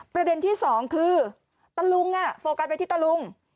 ประเด็นที่สองคือตะลุงโฟกัสไปที่ตะลุง